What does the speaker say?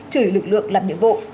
chửi lực lượng làm nhiệm vụ